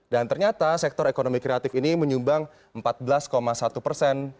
dan ternyata sektor ekonomi kreatif ini menyumbang empat belas satu persen